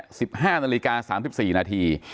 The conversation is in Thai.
๑๕นาฬิกา๓๔นาที